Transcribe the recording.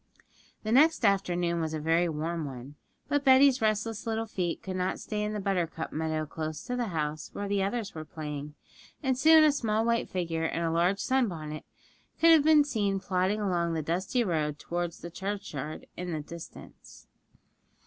The next afternoon was a very warm one; but Betty's restless little feet could not stay in the buttercup meadow close to the house, where the others were playing, and soon a small white figure in a large sun bonnet could have been seen plodding along the dusty road towards the churchyard in the distance.